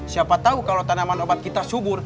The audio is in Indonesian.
siapa tahu kalau tanaman obat kita subur